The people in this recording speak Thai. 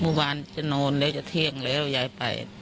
เมื่อวานจะนอนแล้วจะเที่ยงแล้วยายไป